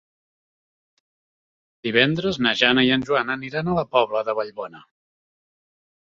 Divendres na Jana i en Joan aniran a la Pobla de Vallbona.